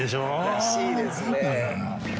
らしいですね。